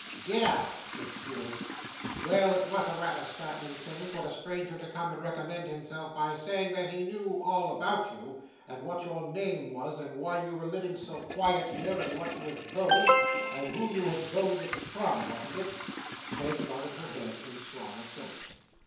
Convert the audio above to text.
'Did I?' said Squeers; 'well, it was rather a startling thing for a stranger to come and recommend himself by saying that he knew all about you, and what your name was, and why you were living so quiet here, and what you had boned, and who you boned it from, wasn't it?' Peg nodded her head in strong assent.